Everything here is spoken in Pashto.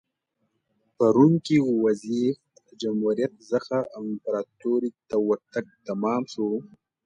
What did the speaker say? په روم کې وضعیت له جمهوریت څخه امپراتورۍ ته ورتګ تمام شو